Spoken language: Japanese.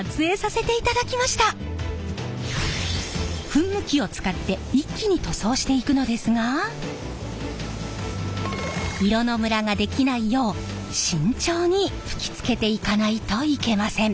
噴霧器を使って一気に塗装していくのですが色のムラができないよう慎重に吹きつけていかないといけません。